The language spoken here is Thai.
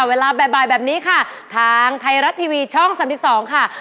เวลาบ่ายแบบนี้ค่ะทางไทยรัฐทีวีช่อง๓๒ค่ะ